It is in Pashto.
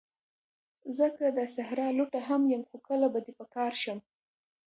زه که د صحرا لوټه هم یم، خو کله به دي په کار شم